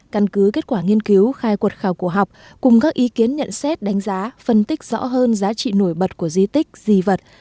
căn cứ kết quả nghiên cứu khai quật khảo cổ học cùng các ý kiến nhận xét đánh giá phân tích rõ hơn giá trị nổi bật của di tích di vật